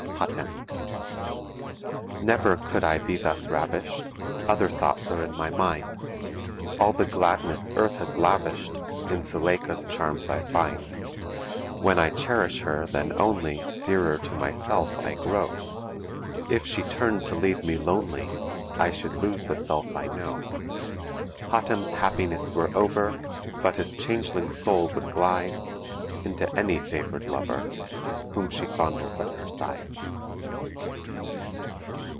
HATEM: Never could I be thus ravished, Other thoughts are in my mind, All the gladness earth has lavished In Suleika's charms I find. When I cherish her, then only Dearer to myself I grow, If she turned to leave me lonely I should lose the self I know. Hatem's happiness were over, But his changeling soul would glide Into any favored lover Whom she fondles at her side.